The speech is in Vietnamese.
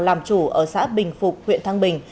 làm chủ ở xã bình phục huyện thăng bình